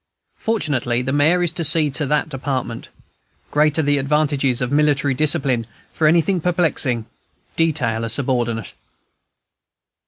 Fortunately, the Major is to see to that department. Great are the advantages of military discipline: for anything perplexing, detail a subordinate.